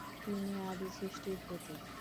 তিনি আদি সৃষ্টির প্রতীক।